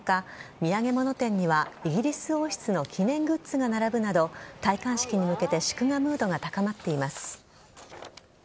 土産物店にはイギリス王室の記念グッズが並ぶなど戴冠式に向けて祝賀ムードが高まっています。